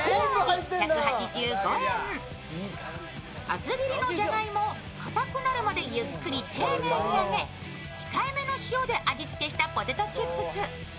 厚切りのじゃがいもをかたくなるまでゆっくり丁寧に揚げ、控えめの塩で味付けしたポテトチップス。